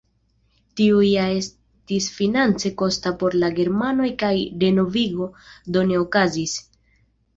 Tio ja estis finance kosta por la germanoj kaj renovigo do ne okazis.